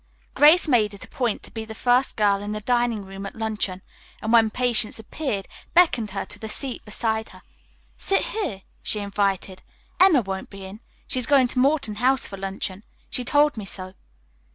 Grace made it a point to be the first girl in the dining room at luncheon, and when Patience appeared beckoned her to the seat beside her. "Sit here," she invited. "Emma won't be in. She is going to Morton House for luncheon; she told me so."